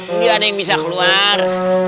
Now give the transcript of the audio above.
tiada yang bisa keluar